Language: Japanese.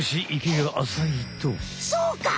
そうか！